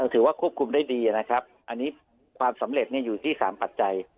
ถือว่าควบคุมได้ดีนะครับอันนี้ความสำเร็จอยู่ที่๓ปัจจัย